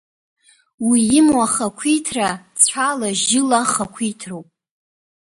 Уи имоу ахақәиҭра цәала-жьыла хақәиҭроуп.